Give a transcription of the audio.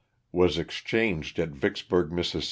Was exchanged at Vicksburg, Miss.